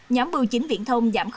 nhóm bưu chính viễn thông giảm năm